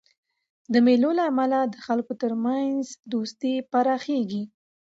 د مېلو له امله د خلکو ترمنځ دوستي پراخېږي.